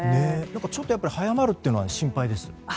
ちょっと早まるというのは心配です。